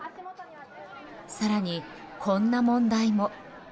更に、こんな問題も。